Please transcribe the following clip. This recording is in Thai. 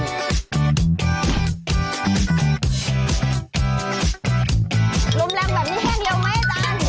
รุมแรมแบบนี้แค่เดียวไหมอาจารย์